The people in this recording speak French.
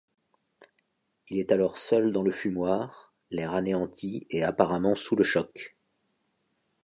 Il est alors seul dans le fumoir, l'air anéanti et apparemment sous le choc.